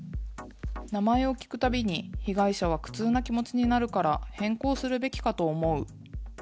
名前を聞くたびに被害者は苦痛な気持ちになるから、変更するべきかと思う。